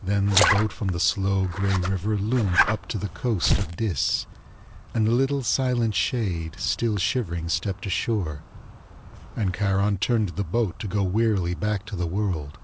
Then the boat from the slow, grey river loomed up to the coast of Dis and the little, silent shade still shivering stepped ashore, and Charon turned the boat to go wearily back to the world.